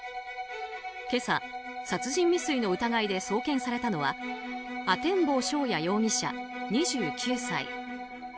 今朝、殺人未遂の疑いで送検されたのは阿天坊翔也容疑者、２９歳。